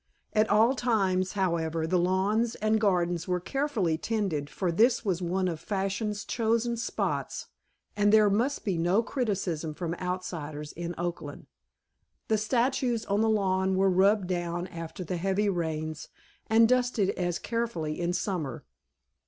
At all times, however, the lawns and gardens were carefully tended, for this was one of Fashion's chosen spots, and there must be no criticism from outsiders in Oakland. The statues on the lawns were rubbed down after the heavy rains and dusted as carefully in summer.